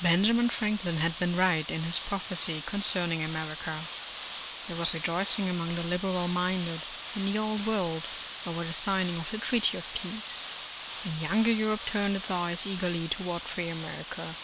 BENJAMIN Franklin had been right in his proph ecy concerning America. There was rejoicing among the liberal minded in the old world over the signing of the Treaty of Peace, and younger Europe turned its eyes eagerly toward free America.